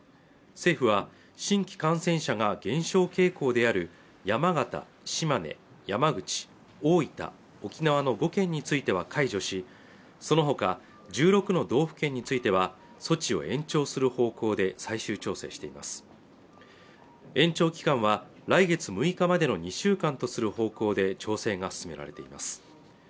政府は新規感染者が減少傾向である山形島根山口、大分、沖縄の５県については解除しそのほか１６の道府県については措置を延長する方向で最終調整しています延長期間は来月６日までの２週間とする方向で調整が進められています